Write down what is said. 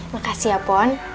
makasih ya pohon